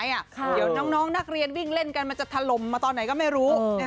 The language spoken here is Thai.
เดี๋ยวน้องนักเรียนวิ่งเล่นกันมันจะถล่มมาตอนไหนก็ไม่รู้